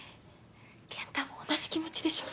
健太も同じ気持ちでしょ？